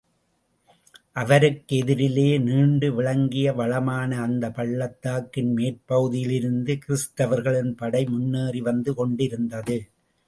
அவருக்கு எதிரிலே நீண்டு விளங்கிய வளமான அந்தப் பள்ளத்தாக்கின் மேற்பகுதியிலிருந்து கிறிஸ்துவர்களின் படை முன்னேறி வந்து கொண்டிருந்தது.